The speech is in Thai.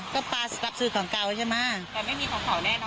ก็ปลารับซื้อของเก่าใช่ไหมแต่ไม่มีของเขาแน่นอน